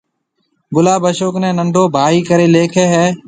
گلاب اشوڪ نيَ ننڊو ڀائيَ ڪرَي ليکيَ ھيََََ